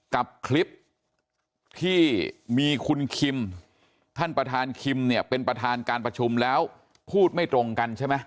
กับคลิปที่มีคุณคิมท่านประธานคิมเนี่ยเป็นประธานการประชุมแล้วพูดไม่ตรงกันใช่ไหม